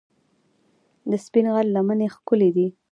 د سپین غر لمنې ښکلې دي